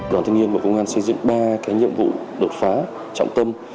đoàn thanh niên bộ công an xây dựng ba nhiệm vụ đột phá trọng tâm